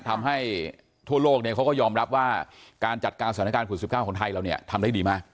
ทำให้ทั่วโลกเขาก็ยอมรับว่าการจัดการสถานการณ์โควิด๑๙ของไทยเราเนี่ยทำได้ดีมาก